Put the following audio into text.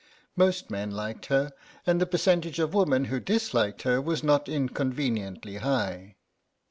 Most men liked her, and the percentage of women who disliked her was not inconveniently high.